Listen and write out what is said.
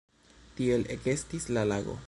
Tiel ekestis la lago.